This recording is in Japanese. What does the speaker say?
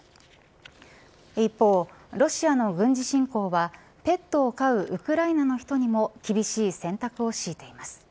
一方、ロシアの軍事侵攻はペットを飼うウクライナの人にも厳しい選択を強いています。